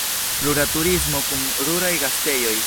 Rura turismo kun ruraj gastejoj.